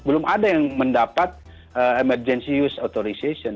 belum ada yang mendapat emergency use authorization